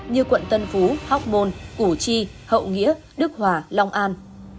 như quận tân phú hóc môn củ chi hậu nghĩa đức hòa long an